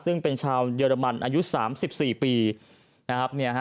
ซึ่งเป็นชาวเยอรมันอายุ๓๔ปี